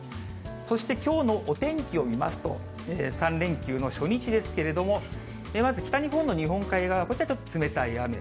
そして、きょうのお天気を見ますと、３連休の初日ですけれども、まず北日本の日本海側、こちらはちょっと冷たい雨。